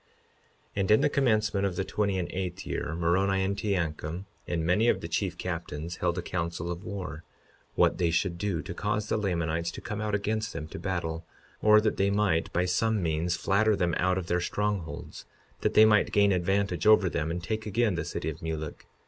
52:19 And in the commencement of the twenty and eighth year, Moroni and Teancum and many of the chief captains held a council of war—what they should do to cause the Lamanites to come out against them to battle; or that they might by some means flatter them out of their strongholds, that they might gain advantage over them and take again the city of Mulek.